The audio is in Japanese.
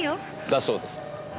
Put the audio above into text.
だそうです。